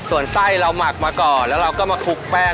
ส่วนไส้เราหมักมาก่อนแล้วเราก็มาคลุกแป้ง